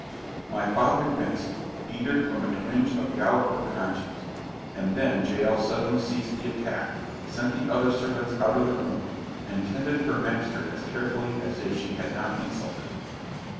My father winced, either from a twinge of gout or conscience; and then Jael suddenly ceased the attack, sent the other servants out of the room, and tended her master as carefully as if she had not insulted him.